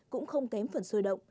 cũng không kém phần sôi động